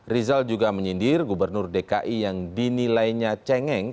rizal juga menyindir gubernur dki yang dinilainya cengeng